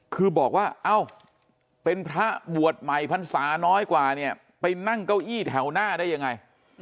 คือบอกว่าเอ้าเป็นพระบวชใหม่พรรษาน้อยกว่าเนี่ยไปนั่งเก้าอี้แถวหน้าได้ยังไง